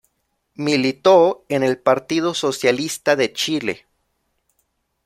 Militó en el Partido Socialista de Chile.